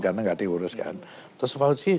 karena gak diuruskan terus fauzi